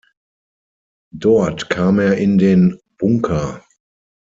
Dort kam er in den „Bunker“.